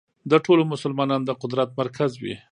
د ټولو مسلمانانو د قدرت مرکز وي.